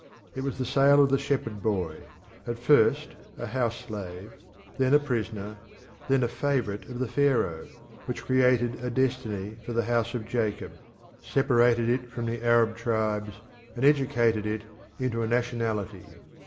It was the sale of the shepherd boy at first a house slave, then a prisoner, then a favourite of the Pharaoh which created a destiny for the House of Jacob, separated it from the Arab tribes, and educated it into a nationality.